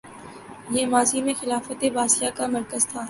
یہ ماضی میں خلافت عباسیہ کا مرکز تھا